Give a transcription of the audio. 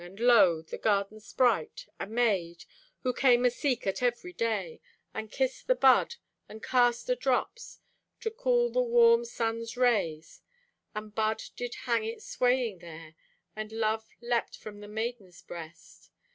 And lo, the garden sprite, a maid, Who came aseek at every day, And kissed the bud, and cast o' drops To cool the warm sun's rays. And bud did hang it swaying there, And love lept from the maiden's breast.